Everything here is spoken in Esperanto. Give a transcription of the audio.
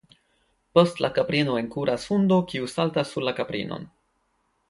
Post la kaprino enkuras hundo, kiu saltas sur la kaprinon.